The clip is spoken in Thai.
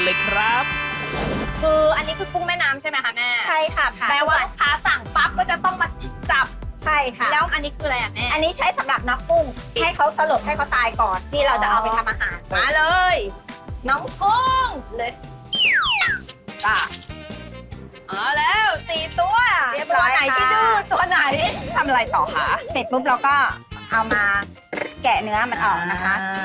เสร็จปุ๊บเราก็เอามาแกะเนื้อมันออกนะคะ